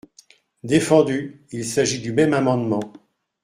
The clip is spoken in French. Défendu : il s’agit du même amendement.